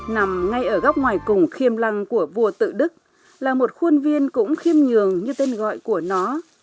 nằm ngay ở góc ngoài củng khiêm lăng của vua tự đức là một khuôn viên cũng khiêm nhường như tên gọi của nó